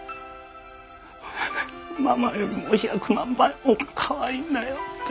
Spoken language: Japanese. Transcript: ママよりも１００万倍もかわいいんだよって。